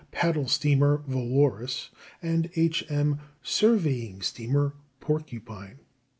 paddle steamer Valorous, and H.M. surveying steamer Porcupine.